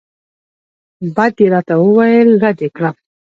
بد یې راته وویل رد یې کړم.